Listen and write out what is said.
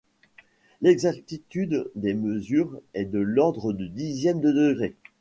L'exactitude des mesures est de l'ordre du dixième de degré.